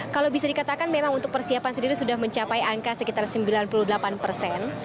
kalau bisa dikatakan memang untuk persiapan sendiri sudah mencapai angka sekitar sembilan puluh delapan persen